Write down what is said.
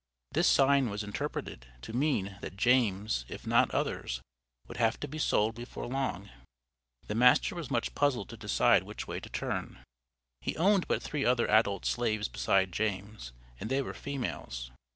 This sign was interpreted to mean that James, if not others, would have to be sold before long. The master was much puzzled to decide which way to turn. He owned but three other adult slaves besides James, and they were females.